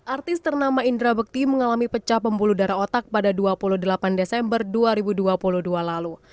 artis ternama indra bekti mengalami pecah pembuluh darah otak pada dua puluh delapan desember dua ribu dua puluh dua lalu